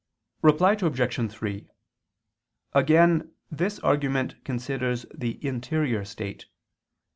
Reply Obj. 3: Again this argument considers the interior state.